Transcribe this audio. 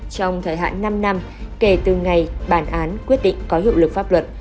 trong thời hạn năm năm kể từ ngày bản án quyết định có hiệu lực pháp luật